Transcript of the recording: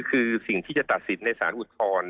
คือสิ่งที่จะตัดสินในสารอุทธรณ์